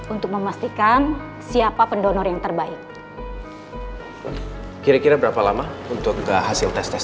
untuk memastikan siapa pendonor yang terbaik hai kira kira berapa lama untuk hasil tes tes